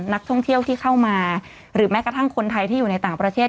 นักท่องเที่ยวที่เข้ามาหรือแม้กระทั่งคนไทยที่อยู่ในต่างประเทศ